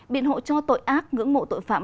biện hộ cho tội ác ngưỡng mộ tội phạm